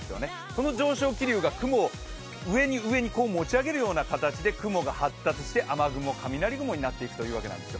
その上昇気流が雲を上に上に持ち上げるような形で雲が発達して雨雲、雷雲になっていくというわけなんです。